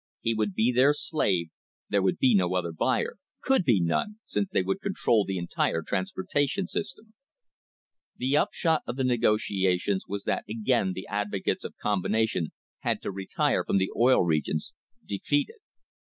He would be P their slave, there would be no other buyer — could be none, since they would control the entire transportation system. The upshot of the negotiations was that again the advocates of combination had to retire from the Oil Regions defeated.